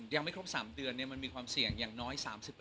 ยังไม่ครบ๓เดือนมันมีความเสี่ยงอย่างน้อย๓๑